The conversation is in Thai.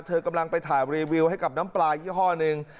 เธอกำลังไปถ่ายรีวิวให้กับน้ำปลายี่ห้อหนึ่ง